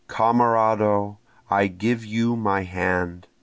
Camerado, I give you my hand!